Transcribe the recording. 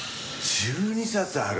１２冊ある？